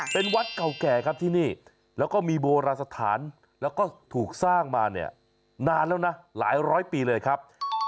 เป็นวัดเก่าแก่ครับที่นี่แล้วก็มีโบราณสถานแล้วก็ถูกสร้างมาเนี่ยนานแล้วนะหลายร้อยปีเลยครับ